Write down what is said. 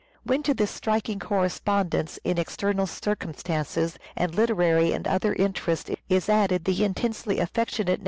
When to this striking correspondence in external circumstances and literary and other interests is added the intensely affectionate